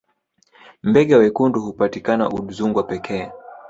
mbega wekundu hupatikana udzungwa pekee